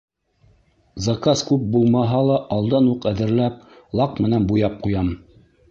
Заказ күп булмаһа ла, алдан уҡ әҙерләп, лак менән буяп ҡуям.